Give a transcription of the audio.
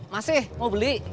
masih mau beli